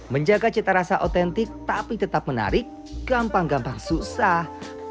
menjaga cita rasa otentik tapi tetap menarik gampang gampang susah